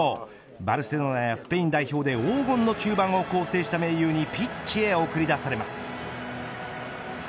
バルセロナやスペイン代表で黄金の中盤を構成した盟友にピッチへ送り出されます。